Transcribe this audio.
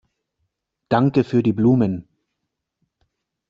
Danke für die Blumen.